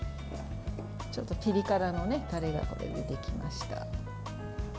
ちょっとピリ辛のタレができました。